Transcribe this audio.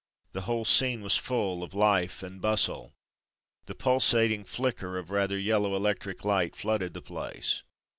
The whole scene was full of Hfe and bustle. The pulsating flicker of rather yellow electric light flooded the place.